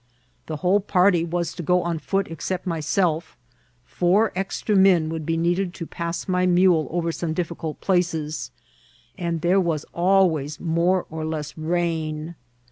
The whole party was to go on foot except myself ; four extra men would be needed to pass my mule ovor some difficult places, and there was always more or less rain.